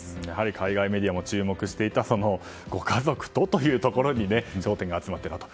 海外メディアも注目していたご家族とというところに焦点が集まっているんだと。